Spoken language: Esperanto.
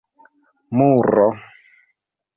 muro